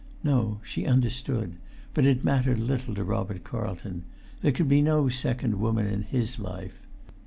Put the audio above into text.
No, she understood; but it mattered little to Robert Carlton; there could be no second woman in his life.